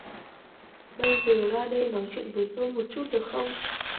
Bây giờ ra đây nói chuyện với tôi một chút được không